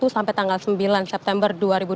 sampai tanggal sembilan september dua ribu dua puluh